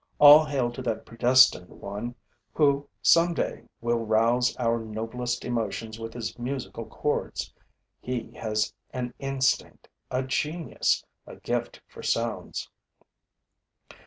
All hail to that predestined one who, some day, will rouse our noblest emotions with his musical chords. He has an instinct, a genius, a gift for sounds.